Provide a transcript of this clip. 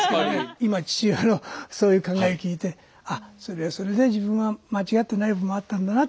今父親のそういう考え聞いてあそれはそれで自分は間違ってない部分もあったんだなって